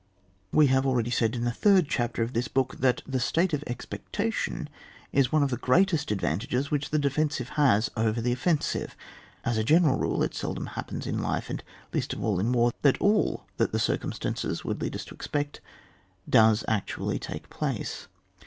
We have already said in the third chapter of this book, that the state of expectatim is one of the greatest advantages which the defensive has over the offensive ; as a general rule, it seldom happens in life, and least of all in war, that all that circumstances would lead us to expect does actually take place.